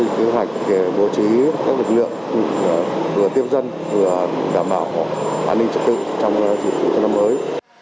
và cũng có kế hoạch để bố trí các lực lượng vừa tiếp dân vừa đảm bảo an ninh trực tự trong dịch vụ năm mới